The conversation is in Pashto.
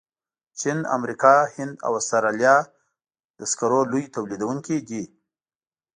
چین، امریکا، هند او استرالیا د سکرو لوی تولیدونکي دي.